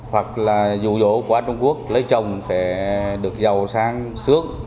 hoặc là dù dỗ qua trung quốc lấy chồng phải được giàu sang sướng